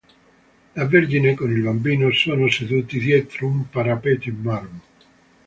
La Vergine con il Bambino sono seduti dietro un parapetto in marmo.